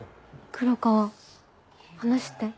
黒川話って？